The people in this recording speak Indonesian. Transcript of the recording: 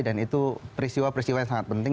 dan itu peristiwa peristiwa yang sangat penting